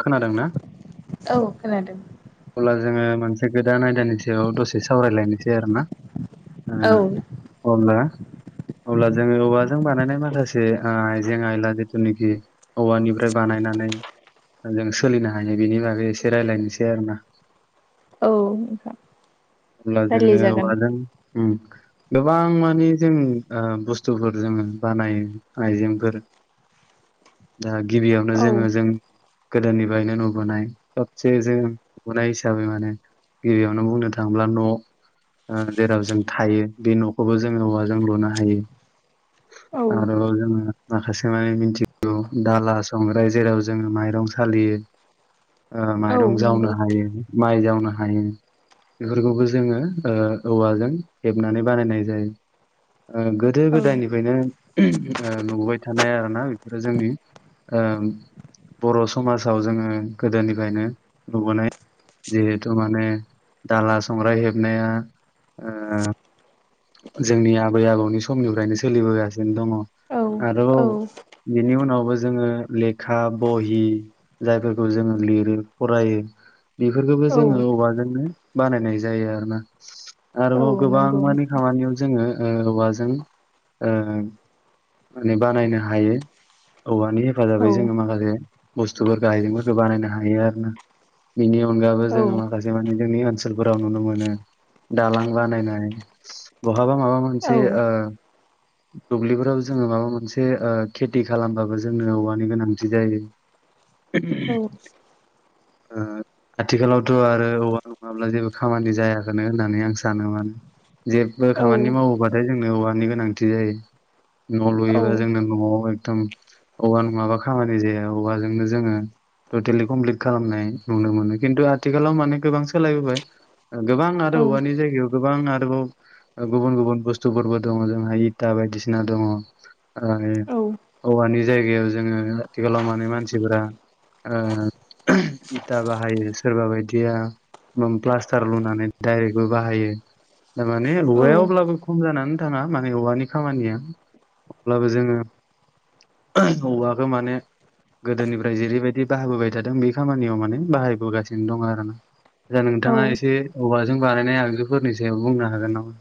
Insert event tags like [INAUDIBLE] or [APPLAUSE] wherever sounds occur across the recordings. खोनादोंना औ खोनादों। अब्ला जोङो मोनसे गोदान आयदानि सायाव दसे सावरायलायनोसै आरो ना? औ ओ अब्ला अब्ला जोङो औवाजों बानायनाय माखासे आ आइजें-आयला जिथुनेखि औवानिफ्राय बानायनानै जों सोलिनो हायो बेनि बागै एसे रायज्लायनोसै आरो ना? औ। अब्ला‌ रायलाय जोङो जागोन औवाजों उम गोबां मानि जों ओ बुस्थुफोर जोङो बानायो आइजेंफोर। दा गिबियावनो औ जोङो जों गोदोनिफ्रायनो नुबोनाय सबसे जों नुबोनाय हिसाबै माने गिबियावनो बुंनो थांब्ला न' ओ जेराव जों थायो बे न'खौबो जोङो औवाजों लुनो हायो। औ आरोबाव जोङो माखासे मानि मिनथिगौ दाला-संग्राय जेराव जोङो माइ रं सालियो ओ औ माइरं जावनो नंगौ हायो माइ जावनो हायो। बेफोरखौबो जोङो ओ औवाजों हेबनानै बानायनाय जायो। ओ औ गोदो-गोदायनिफ्रायनो ओ नुबोबाय थानाय आरो ना बेफोरो जोंनि ओ बर' समाजाव जोङो गोदोनिफ्रायनो नुबोनाय। जिहेथु माने दाला-संग्राय हेबनाया ओ जोंनि आबै-आबौनि समनिफ्रायनो सोलिबोगासिनो दङ'। औ औ आरोबाव बिनि उनाव बो जोङो लेखा-बहि जायफोरखौ जोङो लिरो फरायो। बेफोरखौबो औ जोङो औवाजोंनो बानायनाय जायो आरो ना औ आरोबाव गोबां नंगौ मानिे जोङो औवाजों माने बानायनो हायो औवानि औ हेफाजाबै जोङो माखासे बुस्थुफोरखौ आइजेंफोरखौ बानायनो हायो आरो ना बिनि अनगाबो औ जोङो माखासे मानिे जोंनि ओनसोलफोराव नुनो मोनो दालां बानायनाय बहाबा माबा औ मोनसे ओ दुब्लिफोराव जोङो माबा मोनसे ओ खेथि खालामबाबो जोंनो औवानि गोनांथि जायो [INAUDIBLE] औ ओ आथिखालावथ' आरो औवा नङाब्ला जेबो खामानि जायाखोनो होननानै आं सानोमोन जेबो खामानि मावोबाथाय जोंनो औवानि गोनांथि जायो। न' लुयोबा जोंनो न'आवहाय म औवा नङाबा खामानि जाया औवाजोंनो जोङो टटेलि कमप्लिट खालामनाय नुनो मोनो खिन्थु आथिखालाव माने गोबां सोलायबोबाय गोबां आरो औवानि जायगायाव गोबां आरोबाव गुबुन गुबुन बुस्थुफोरबो दङ जोंहा दा बायदिसिना दङ आरो औ औवानि जायगायाव जोङो आथिखालाव माने मानसिफोरा ओ इथा बाहायो सोरबा बायदिया प्लास्टार लुनानै दडाइरेक्टबो बाहायो थारमाने औवाया औ अब्लाबो खम जानानै थाङा माने औवानि खामानिया अब्लाबो जोङो औवाखौ माने गोदोनिफ्राय जेरैबायदि बाहाबोबबाय थादों बे खामानियाव माने बाहायबोगासिनो दङ' आरोना दा नोंथाङा एसे औवाजों बानायनाय आगोलफोरनि सायाव बुंनो हागोन नामा?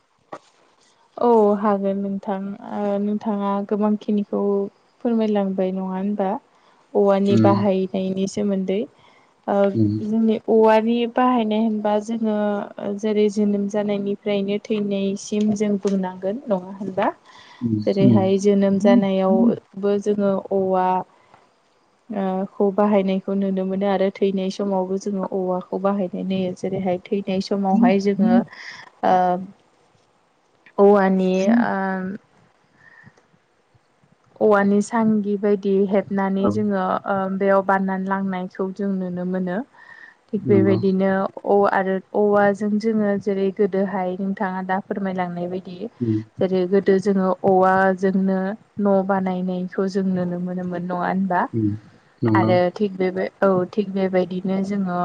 औ हागोन नोंथां ओ नोंथाङा गोबां खिनिखौ फोरमायलांबाय नङा। होमबा औवानि उम बाहायनायनि सोमोन्दै उम जोंनि ओ औवानि बाहायनाय होनबा जोङो जेरै जोनोम जानायनिफ्रायनो थैनायसिम जों बुंनांगोन नङा होनबा जेरैहाय जोनोम उम उम जानायावबो जोङो औवा ओ खौ बाहायनायखौ नुनो मोनो आरो थैनाय समावबो जोङो औवाखौ बाहायनाय नुयो जेरैहाय थैनाय समावहाय जोङो ओ औवानि ओम औवानि सांगि बायदि हेबनानै औ जोङो ओ बेयाव बाननानै लांनायखौ जों नुनो मोनो थिग नंगौ बेबायदिनो औ आरो औवाजों जोङो जेरै गोदोहाय नोंथाङा दा फोरमायलांनाय बायदि दि उम जेरै गोदो जोङो औवाजोंनो न' बानायनायखौ जों नुनो मोनोमोन न'आ होनबा उम नंगौ आरो थिग बेबो औ थिग बेबायदिनो जोङो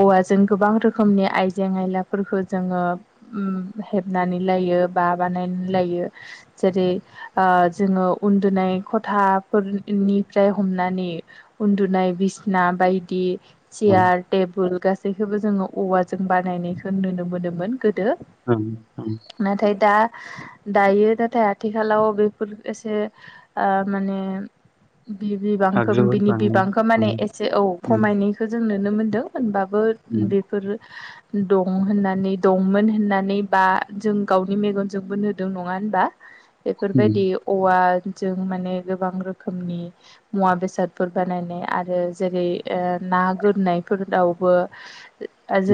औवाजों गोबां रोखोमनि आइजें आयलाफोर फोरखो जोङोओम हेबनानै लायो बा बानायनानै लायो जेरै ओ जोङो उन्दुनाय खथाफोरनिफ्राय हमनानै उन्दुनाय बि बिसिना बायदि औ सियार टेबोल गासैखौबो जोङो औवाजों बानायनायखौ नुनो मोनोमोन गोदो ओं ओं नाथाय दा दायो नाथाय आथिखालाव बेफोर एसे ओ माने बि बिबांखौ आगजुफोर बिनि बानायनाय बिबांखौ माने ओं एसे औ उम खमायनायखौ जों नुनो मोनदों होमबा बो उम बेफोरो दं होननानै दंमोन होननानै बा जों गावनि मेगनजोंबो नुदों नङा होनबा उम बेफोरबायदि औवा जों मानि गोबां रोखनि मुवा बेसादफोर बानायनाय जेरै ओ ना ना गोरनायफोरावबो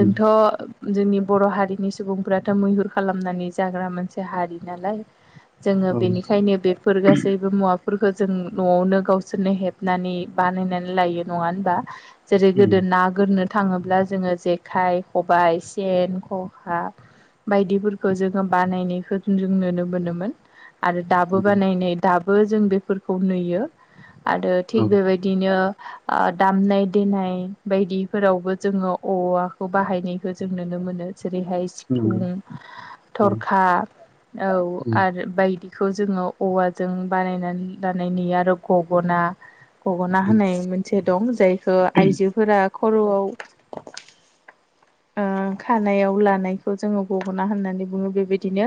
उम जोंनि बर' हारिनि सुबुंफ्राथ' मैहुर खालामनानै जाग्रा मोनसे हारि नालाय जोङो औ बेनिखायनो बेफोर गासैबो मुवा फोरख जों न'आवनो गावसोरनो हेबनानै बानायनानै लायो नङा होनबा जेरै उम गोदो ना गोरनो थाङोब्ला जोङो जेखाइ, खबाइ, सेन, खका बायदिफोरखौ जोङो बानायनायखौ जों नुनो मोनोमोन आरो। दाबो नंगौ बानायनाय दाबो जों बेफोरखौ नुयो आरो थिग औ बेबायदिनो दामनाय देनाय बायदिफोरावबो जोङो औवाखौ बाहायनायखौ जों नुनो मोनो जेरैहाय नंगौ सिफुं, औ थरखा, औ उम आरो बायदि बेखौ जोङो औवाजों बानायनानै लानाय नुयो आरो गगना गग'ना उम होनाय मोनसे दं जायखौ आइजोफोरा खर'आव। [INAUDIBLE] ओ खानायाव लानायखौ जोङो गगना होननानै बुङो बेबायदिनो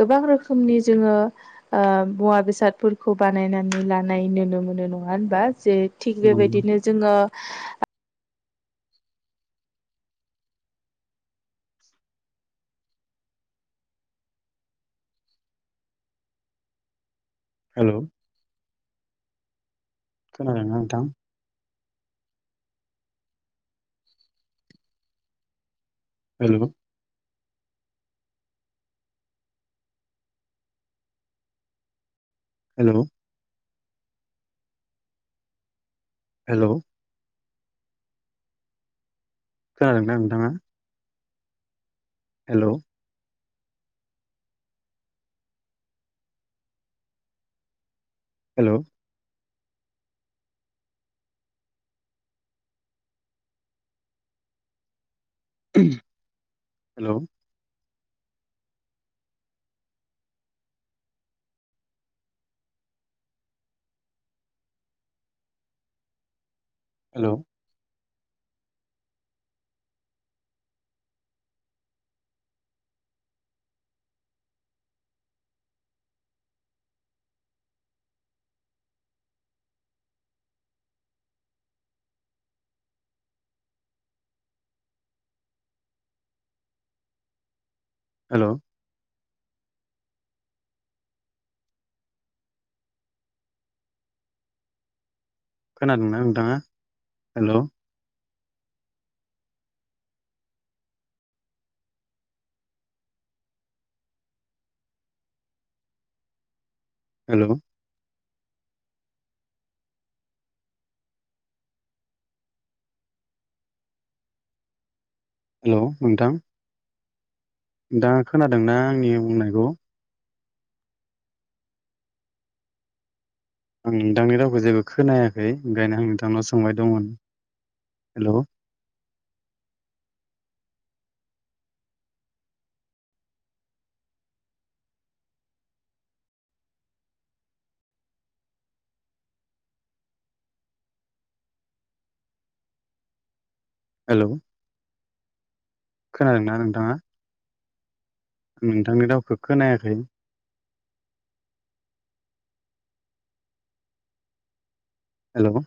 गोबां रोखोमनि जोङो मुवा बेसादफोरखौ बानायनानै लानाय नुनो मोनो नङा होनबा जे थिग नंगौ बेबायदिनो जोङो हेल'। खोनादोंना नोंथां हेल' हेल' हेल'। खोनादोंना नोंथाङा। हेलौ‌ हेलौ हेल'। हेल' हेल' खोनादोंना नोंथाङा हेल' हेल' हेल' नोंथां। नोंथाङा खोनादोंना आंनि बुंनायखौ आं नोंथांनि रावखौ जेबो खोनायाखै ओंखायनो आं नोंथांनाव सोंबाय दंमोन हेलौ। हेल' खोनादोंना नोंथाङा नोंथांनि रावउखौ खोनायाखै हेलौ